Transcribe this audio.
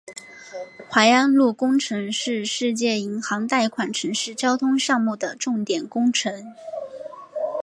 槐安路工程是世界银行贷款城市交通项目的重点工程。